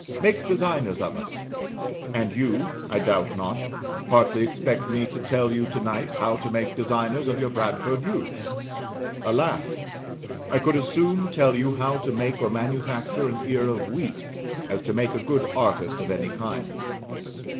"Make designers of us." And you, I doubt not, partly expect me to tell you to night how to make designers of your Bradford youths. Alas! I could as soon tell you how to make or manufacture an ear of wheat, as to make a good artist of any kind.